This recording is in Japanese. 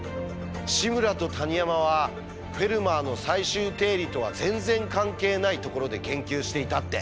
志村と谷山は「フェルマーの最終定理」とは全然関係ないところで研究していたって。